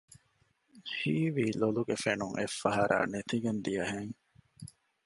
ހީވީ ލޮލުގެ ފެނުން އެއްފަހަރާ ނެތިގެން ދިޔަހެން